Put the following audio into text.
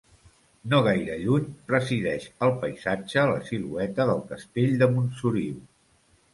No gaire lluny, presideix el paisatge la silueta del Castell de Montsoriu.